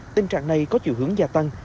tình trạng này có chiều hướng gia tăng